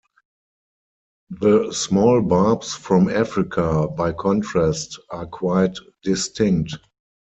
The small barbs from Africa, by contrast, are quite distinct.